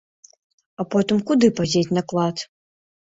А потым куды падзець наклад?